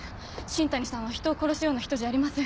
新谷さんは人を殺すような人じゃありません。